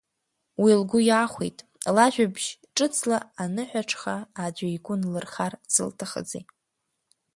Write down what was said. Уи лгәы иаахәеит, лажәабжь ҿыцла аныҳәаҽха аӡәы игәы нлырхар зылҭахызи.